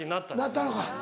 なったのか。